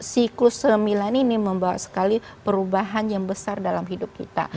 siklus sembilan ini membawa sekali perubahan yang besar dalam hidup kita